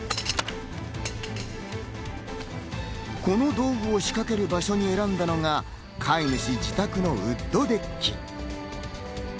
この道具を仕掛ける場所に選んだのが飼い主自宅のウッドデッキ。